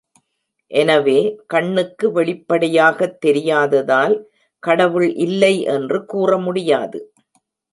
எனவே, கண்ணுக்கு வெளிப்படையாகத் தெரியாததால் கடவுள் இல்லை என்று கூறமுடியாது.